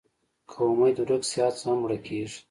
که امېد ورک شي، هڅه هم مړه کېږي.